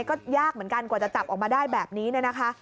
ก็ยากเหมือนกันกว่าจะจับออกมาได้แบบนี้เนี่ยนะคะ